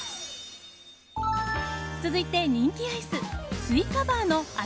続いて人気アイス、スイカバーの秋